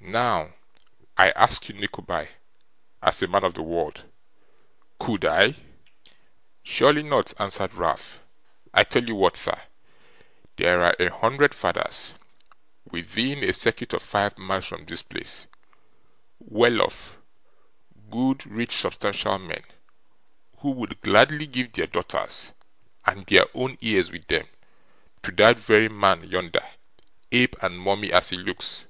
Now, I ask you, Nickleby, as a man of the world; could I?' 'Surely not,' answered Ralph. 'I tell you what, sir; there are a hundred fathers, within a circuit of five miles from this place; well off; good, rich, substantial men; who would gladly give their daughters, and their own ears with them, to that very man yonder, ape and mummy as he looks.